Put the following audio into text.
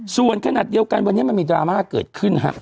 ส่วนขนาดเดียวกันวันนี้มันมีดราม่าเกิดขึ้นครับ